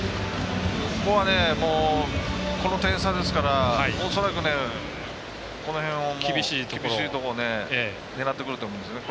ここは、この点差ですから恐らく厳しいところを狙ってくると思いますね。